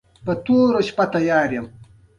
تودوخه د افغانستان د ښاري پراختیا یو مهم سبب دی.